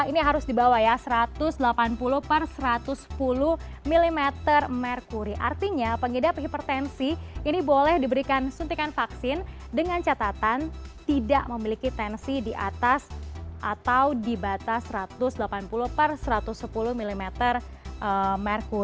ini harus dibawa ya satu ratus delapan puluh per satu ratus sepuluh mm merkuri artinya pengidap hipertensi ini boleh diberikan suntikan vaksin dengan catatan tidak memiliki tensi di atas atau di batas satu ratus delapan puluh per satu ratus sepuluh mm merku